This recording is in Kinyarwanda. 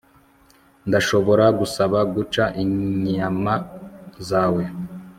ndashobora gusaba guca inyama zawe